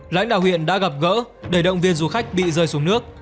lãnh đạo huyện đã gặp gỡ để động viên du khách bị rơi xuống nước